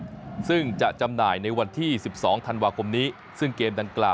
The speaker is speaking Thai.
กุญสือทีมชาติไทยเปิดเผยว่าน่าจะไม่มีปัญหาสำหรับเกมในนัดชนะเลิศครับ